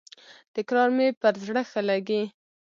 تکرار مي پر زړه ښه لګیږي.